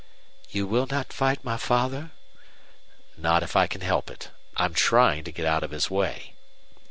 "You will not fight my father?" "Not if I can help it. I'm trying to get out of his way.'